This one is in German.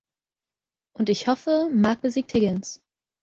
Und ich hoffe, Mark besiegt Higgins!